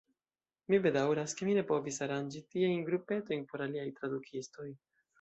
Mi bedaŭras, ke mi ne povis aranĝi tiajn grupetojn por aliaj tradukistoj.